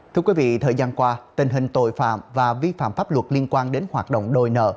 thưa quý vị thời gian qua tình hình tội phạm và vi phạm pháp luật liên quan đến hoạt động đòi nợ